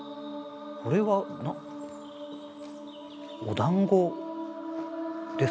これはおだんごですかね？